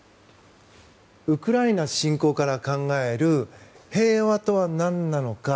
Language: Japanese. ウクライナ侵攻から考える平和とはなんなのか。